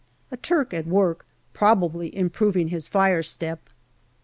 A Turk at work, probably improving his fire step.